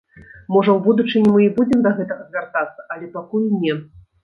Можа, у будучыні мы і будзем да гэтага звяртацца, але пакуль не.